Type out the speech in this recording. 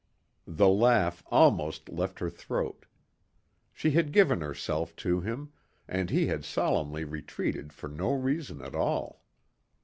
The laugh almost left her throat. She had given herself to him ... and he had solemnly retreated for no reason at all.